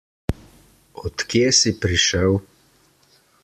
Od kje si prišel?